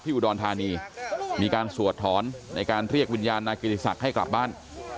อุดรธานีมีการสวดถอนในการเรียกวิญญาณนายกิติศักดิ์ให้กลับบ้าน